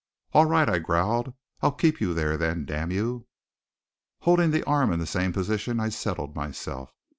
"All right," I growled, "I'll keep you there then, damn you!" Holding the arm in the same position, I settled myself.